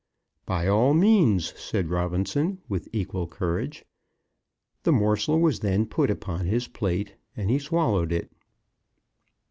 "By all means," said Robinson, with equal courage. The morsel was then put upon his plate, and he swallowed it.